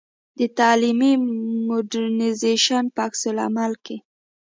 د تعلیمي مډرنیزېشن په عکس العمل کې.